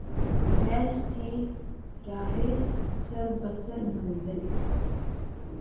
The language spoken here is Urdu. فیضؔ تھی راہ سر بسر منزل